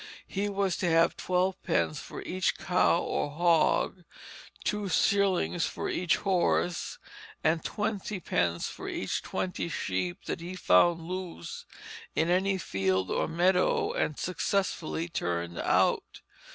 He was to have twelvepence for each cow or hog, two shillings for each horse, and twenty pence for each twenty sheep that he found loose in any field or meadow, and successfully turned out.